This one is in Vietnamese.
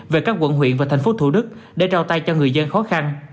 về các quận huyện và thành phố thủ đức để trao tay cho người dân khó khăn